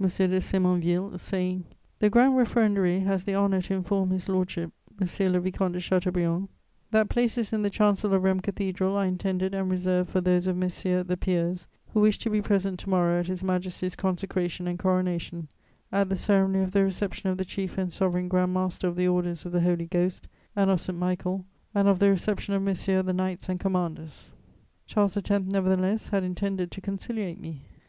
de Sémonville, saying: "The Grand Referendary has the honour to inform His Lordship, Monsieur le Vicomte de Chateaubriand, that places in the chancel of Rheims Cathedral are intended and reserved for those of Messieurs the Peers who wish to be present to morrow at His Majesty's consecration and coronation, at the ceremony of the reception of the Chief and Sovereign Grand Master of the Orders of the Holy Ghost and of St. Michael and of the reception of Messieurs the Knights and Commanders." Charles X. nevertheless had intended to conciliate me.